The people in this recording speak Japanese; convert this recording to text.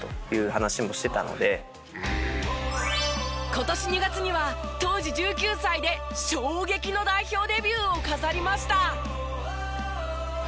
今年２月には当時１９歳で衝撃の代表デビューを飾りました。